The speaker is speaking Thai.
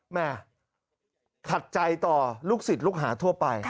แม่ขัดใจต่อลูกศิษย์ลูกหาทั่วไป